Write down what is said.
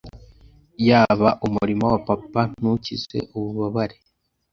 yaba umurima wa papa ntukize ububabare